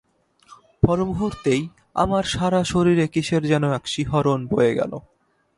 পরমুহুর্তেই আমার সারা শরীরে কিসের যেন এক শিহরণ বয়ে গেল।